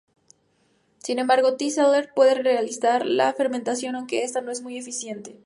Sin embargo, "T. celer" puede realizar la fermentación, aunque esta no es muy eficiente.